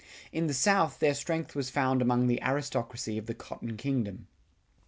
In the South their strength was found among the aristocracy of the Cotton Kingdom.